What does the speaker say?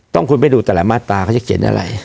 คุณไปดูแต่ละมาตราเขาจะเขียนอะไร